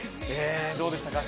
どうでしたか？